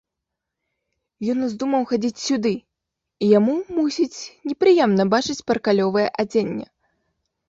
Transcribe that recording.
Ён уздумаў хадзіць сюды, і яму, мусіць, непрыемна бачыць паркалёвае адзенне.